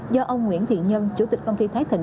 do ông nguyễn thiện nhân chủ tịch công ty thái thịnh